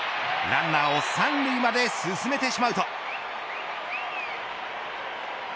ランナーを３塁まで進めてしまうと。